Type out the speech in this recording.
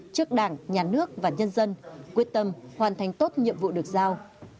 trước đảng nhà nước và nhân dân quyết tâm hoàn thành tốt nhiệm vụ được giao